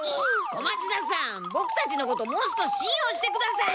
小松田さんボクたちのこともう少し信用してください！